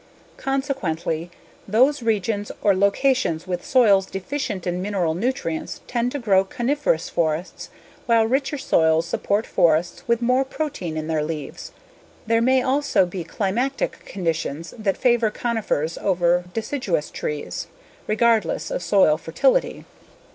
Consequently, those regions or locations with soils deficient in mineral nutrients tend to grow coniferous forests while richer soils support forests with more protein in their leaves. There may also be climatic conditions that favor conifers over deciduous trees, regardless of soil fertility.